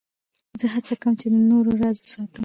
زه هڅه کوم، چي د نورو راز وساتم.